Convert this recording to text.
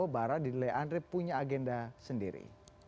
sekarang di nilai andre punya agenda sendiri